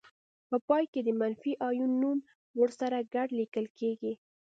په پای کې د منفي آیون نوم ورسره ګډ لیکل کیږي.